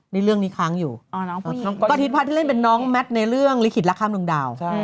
ในเรื่องนี้ค้างอยู่ก๊อตอิทธิพัทธ์ที่เล่นเป็นน้องแมทในเรื่องลิขิตละข้ามดวงดาว